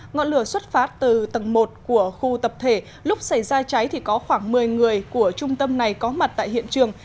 ngọn lửa xuất phát từ tầng một của khu tập thể lúc xảy ra cháy thì có khoảng một mươi người của trung tâm này có mặt tại hiện trường